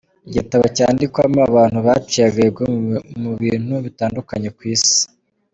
Igitabo cyandikwamo abantu baciye agahigo mu bintu bitandukanye ku isi.